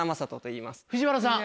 藤原さん。